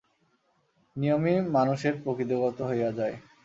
নিয়মই মানুষের প্রকৃতিগত হইয়া যায়।